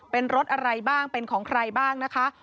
เป็นรถอะไรบ้างเป็นของใครบ้างนะคะ